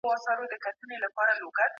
د اوبو بندونه د کرني د ودي لپاره جوړ سوي وو.